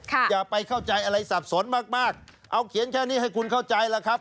อย่าไปเข้าใจอะไรสับสนมากมากเอาเขียนแค่นี้ให้คุณเข้าใจล่ะครับ